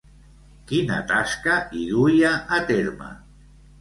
Quina tasca hi duia a terme?